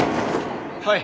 はい